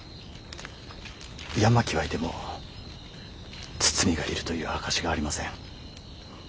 山木はいても堤がいるという証しがありません。